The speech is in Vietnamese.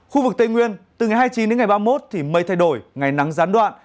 khu vực tây nguyên từ ngày hai mươi chín đến ngày ba mươi một thì mây thay đổi ngày nắng gián đoạn